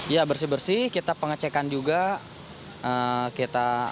ya bersih bersih kita pengecekan juga